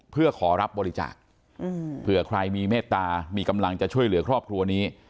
เพื่อขอรับบริจาคเผื่อใครมีเมตตามีกำลังจะช่วยเหลือครอบครัวนี้